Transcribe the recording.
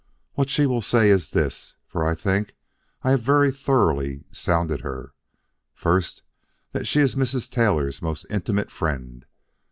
"What she will say is this, for I think I have very thoroughly sounded her: First, that she is Mrs. Taylor's most intimate friend.